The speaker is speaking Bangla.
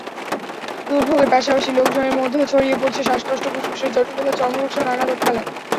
দুর্ভোগের পাশাপাশি লোকজনের মধ্যেও ছড়িয়ে পড়ছে শ্বাসকষ্ট, ফুসফুসের জটিলতা, চর্মরোগসহ নানা রোগবালাই।